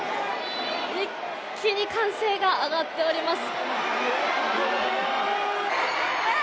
一気に歓声が上がっております。